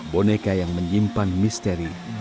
boneka yang menyimpan misteri dan kebenaran